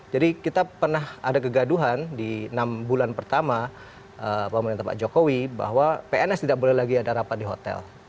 jadi kita pernah ada kegaduhan di enam bulan pertama pemerintah pak jokowi bahwa pns tidak boleh lagi ada rapat di hotel